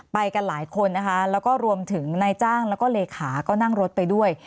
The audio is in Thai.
ไปกันหลายคนนะคะแล้วก็รวมถึงนายจ้างแล้วก็เลขาก็นั่งรถไปด้วย